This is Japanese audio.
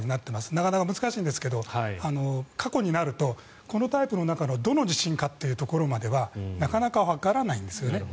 なかなか難しいんですが過去になるとこのタイプの中のどの地震かというところまではなかなかわからないんですよね。